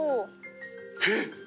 えっ！